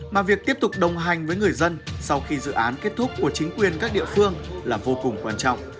mà việc tiếp tục đồng hành với người dân sau khi dự án kết thúc của chính quyền các địa phương là vô cùng quan trọng